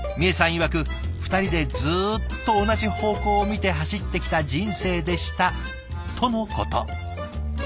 いわく２人でずっと同じ方向を見て走ってきた人生でしたとのこと。